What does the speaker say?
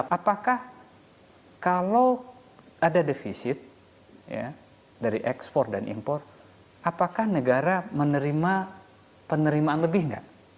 apakah kalau ada defisit dari ekspor dan impor apakah negara menerima penerimaan lebih nggak